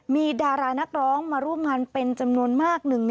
มีดารานักร้องมาร่วมงานเป็นจำนวนมาก